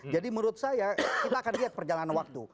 jadi menurut saya kita akan lihat perjalanan waktu